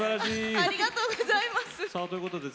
ありがとうございます。